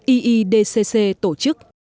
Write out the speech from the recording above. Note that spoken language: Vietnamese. iedcc tổ chức